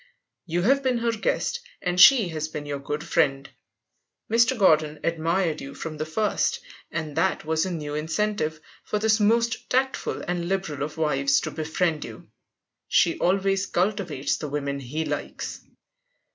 You have been her guest, and she has been your good friend. Mr. Gordon admired you from the first, and that was a new incentive for this most tactful and liberal of wives to befriend you. She always cultivates the women he likes.